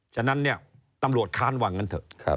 ฉะนั้นเนี่ยตำรวจค้านว่างั้นเถอะ